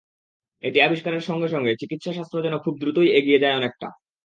এটি আবিষ্কারের সঙ্গে সঙ্গে চিকিৎসাশাস্ত্র যেন খুব দ্রুতই এগিয়ে যায় অনেকটা।